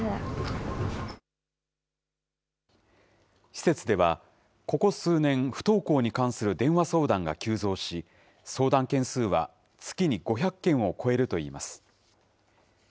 施設ではここ数年、不登校に関する電話相談が急増し、相談件数は月に５００件を超えるといいます。